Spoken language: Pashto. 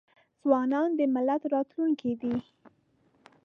ځوانان د ملت راتلونکې دي.